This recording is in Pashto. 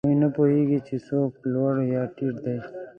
هغوی نه پوهېږي، چې څوک لوړ یا ټیټ دی.